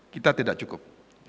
kita tidak cukup